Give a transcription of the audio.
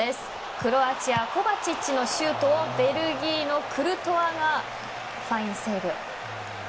クロアチアコヴァチッチのシュートをベルギーのクルトワがファインセーブ。